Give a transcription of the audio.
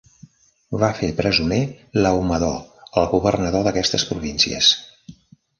Va fer presoner Laomedó, el governador d'aquestes províncies.